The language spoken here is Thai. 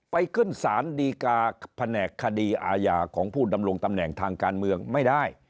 ขึ้นสารดีกาแผนกคดีอาญาของผู้ดำรงตำแหน่งทางการเมืองไม่ได้